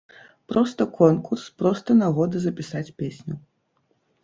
Проста конкурс, проста нагода запісаць песню.